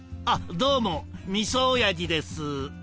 あっどうもみそおやじです。